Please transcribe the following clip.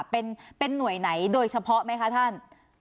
เป็นหน่วยไหนโดยเฉพาะไหมคะท่าน